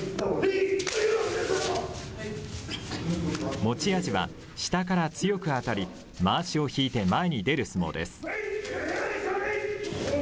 持ち味は下から強く当たり、まわしを引いて前に出る相撲です。